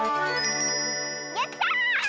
やった！